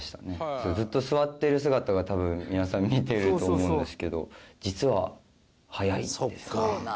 ずっと座ってる姿が、多分皆さん見てると思うんですけど実は速いんですね。